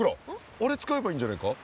あれ使えばいいんじゃないか？